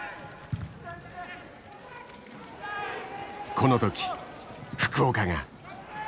この時福岡が。